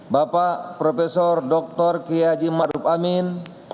bapak prof dr kiaji madupamin